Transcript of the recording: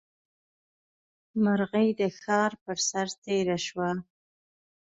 مرغۍ د ښار پر سر تېره شوه.